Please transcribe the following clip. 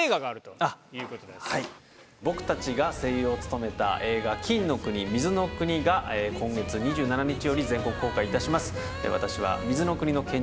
僕たちが声優を務めた映画『金の国水の国』が今月２７日より全国公開いたします。